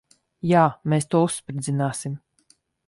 Jā. Mēs to uzspridzināsim.